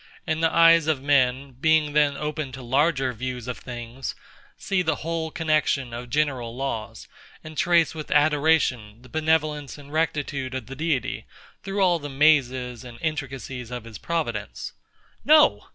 And the eyes of men, being then opened to larger views of things, see the whole connection of general laws; and trace with adoration, the benevolence and rectitude of the Deity, through all the mazes and intricacies of his providence. No!